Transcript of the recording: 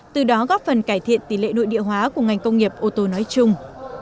từ đó góp phần cải thiện tỷ lệ nội địa hóa của ngành công nghiệp ô tô nói chung